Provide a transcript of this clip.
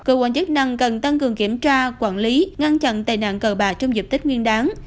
cơ quan chức năng cần tăng cường kiểm tra quản lý ngăn chặn tài nạn cờ bạc trong dịp tích nguyên đáng